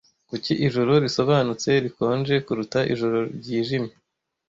Kuki ijoro risobanutse rikonje kuruta ijoro ryijimye